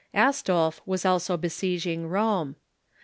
Astolph was also besieging Rome.